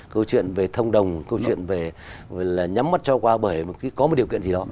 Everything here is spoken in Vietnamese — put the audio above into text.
câu chuyện về thông đồng câu chuyện về là nhắm mắt cho qua bởi có một điều kiện gì đó